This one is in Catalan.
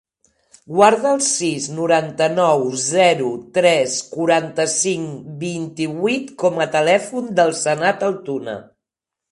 Guarda el sis, noranta-nou, zero, tres, quaranta-cinc, vint-i-vuit com a telèfon del Sanad Altuna.